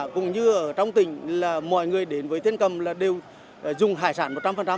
cũng như ở trong tỉnh là mọi người đến với thiên cầm là đều dùng hải sản một trăm linh